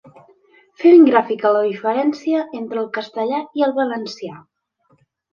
Fer ben gràfica la diferència entre el castellà i el valencià.